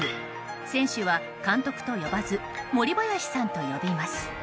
選手は監督と呼ばず森林さんと呼びます。